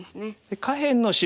下辺の白